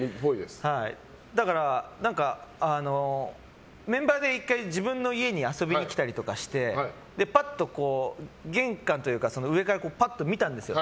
だから、メンバーで１回自分の家に遊びに来たりとかしてパッと家の上から見たんですよ。